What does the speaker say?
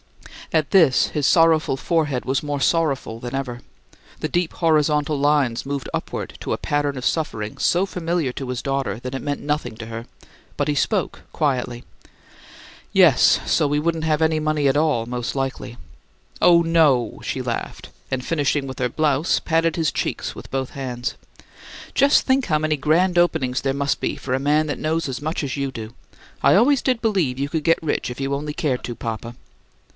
At this his sorrowful forehead was more sorrowful than ever. The deep horizontal lines moved upward to a pattern of suffering so familiar to his daughter that it meant nothing to her; but he spoke quietly. "Yes; so we wouldn't have any money at all, most likely." "Oh, no!" she laughed, and, finishing with her blouse, patted his cheeks with both hands. "Just think how many grand openings there must be for a man that knows as much as you do! I always did believe you could get rich if you only cared to, papa."